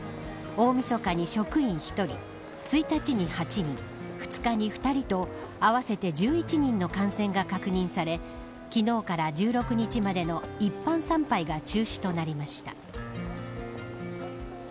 大みそかに職員１人１日に８人２日に２人と、合わせて１１人の感染が確認され昨日から１６日までの一般参拝が中止となりました。